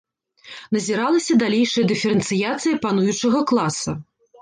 Назіралася далейшая дыферэнцыяцыя пануючага класа.